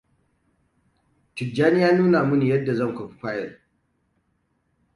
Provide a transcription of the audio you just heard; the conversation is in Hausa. Tijjani ya nuna min yadda zan kwafi fayel.